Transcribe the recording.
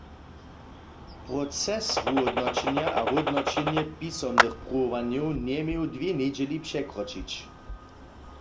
Proces wuhódnoćenja a hódnoćenje pisomnych pruwowanjow njeměł dwě njedźeli překročić.